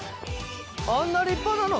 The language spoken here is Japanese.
あんな立派なの？